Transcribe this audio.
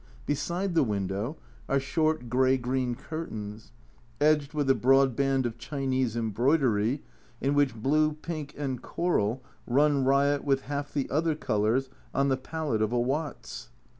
Beside the window are short grey green curtains, edged with a broad band of Chinese embroidery in which blue, pink, and coral run riot with half the other colours on the palette of a Watts.